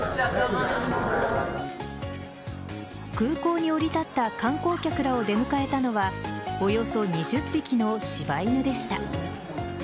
空港に降り立った観光客らを出迎えたのはおよそ２０匹の柴犬でした。